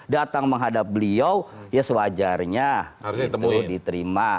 datang menghadap beliau ya sewajarnya itu diterima